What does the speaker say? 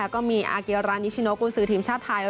ก็มีอาเกียรานิชิโนกุญสือทีมชาติไทย